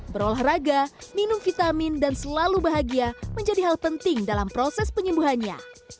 berolahraga minum vitamin dan selalu bahagia menjadi hal penting dalam proses penyembuhannya